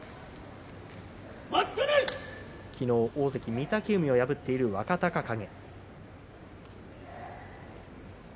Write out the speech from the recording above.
昨日、大関御嶽海を破っている若隆景。